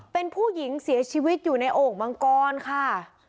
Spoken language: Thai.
เป็นผู้หญิงเสียชีวิตอยู่ในโอ่งมังกรค่ะ